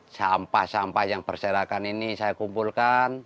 sampah sampah yang berserakan ini saya kumpulkan